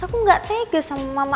aku gak tega sama mama